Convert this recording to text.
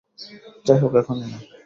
যাইহোক এখনই না।